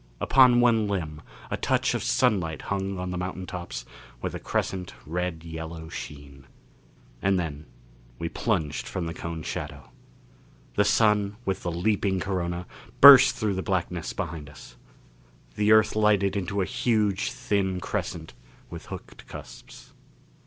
Upon one limb a touch of sunlight hung on the mountain tops with a crescent red yellow sheen. And then we plunged from the cone shadow. The Sun with the leaping corona, burst through the blackness behind us. The Earth lighted into a huge, thin crescent with hooked cusps.